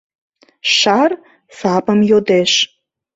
Шар сапым йодеш.